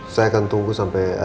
saya akan tunggu sampai ada kabarnya